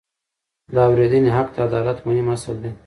د اورېدنې حق د عدالت مهم اصل دی.